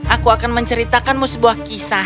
aku akan menceritakanmu sebuah kisah